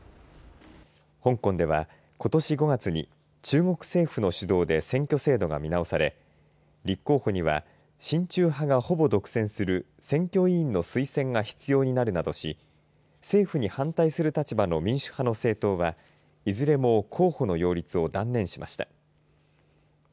香港では、ことし５月に中国政府の主導で選挙制度が見直され立候補には親中派が、ほぼ独占する選挙委員の推薦が必要になるなどし政府に反対する立場の民主派の政党はいずれも候補の擁立を断念しました。